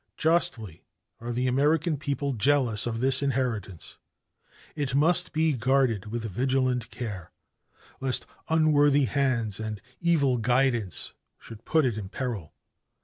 Justly are the American people jealous of this inheritance. It must be guarded with vigilant care, lest unworthy hands and evil guidance should put it in peril.